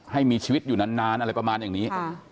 ให้มีชีวิตอยู่นานอะไรประมาณอย่างนี้